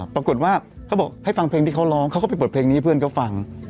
ปรากฏว่าเขาบอกให้ฟังเพลงที่เขาร้องเขาก็ไปเปิดเพลงนี้ให้เพื่อนเขาฟัง